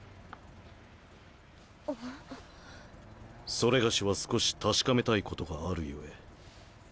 それがしは少し確かめたいことがあるゆえ。